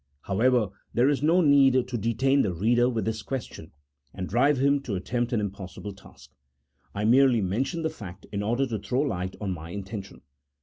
However, there is no need to detain the reader with this, question, and drive hhn to attempt an impossible task ; I merely mentioned the fact in order to throw light on my intention.